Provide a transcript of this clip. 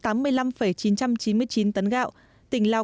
tỉnh lào cai hai trăm bốn mươi bảy chín trăm chín mươi tấn gạo